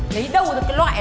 lấy đâu được cái loại này